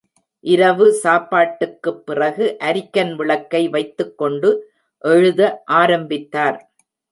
இரவு சாப்பாட்டுக்குப் பிறகு அரிக்கன் விளக்கை வைத்துக் கொண்டு எழுத ஆரம்பித்தார்.